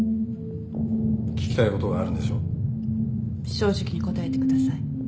正直に答えてください。